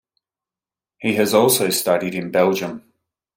He has also studied in Belgium.